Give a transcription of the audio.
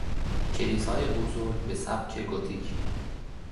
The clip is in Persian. کلیسای بزرگ به سبک گوتیک